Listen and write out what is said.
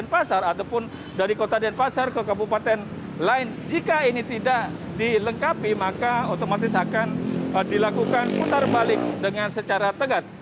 pasar ataupun dari kota denpasar ke kabupaten lain jika ini tidak dilengkapi maka otomatis akan dilakukan putar balik dengan secara tegas